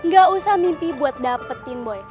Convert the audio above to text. gak usah mimpi buat dapetin boy